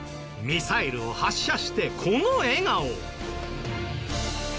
ミサイルを発射してこの笑顔。